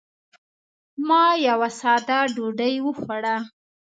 ما یوه ساده ډوډۍ وخوړه.